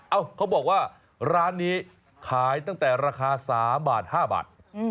เขาบอกว่าร้านนี้ขายตั้งแต่ราคา๓บาท๕บาท